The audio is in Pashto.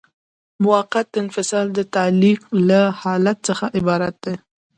موقت انفصال د تعلیق له حالت څخه عبارت دی.